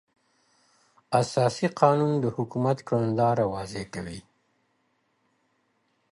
اساسي قانون د حکومت کړنلاره واضح کوي.